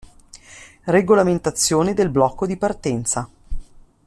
Regolamentazione del blocco di partenza.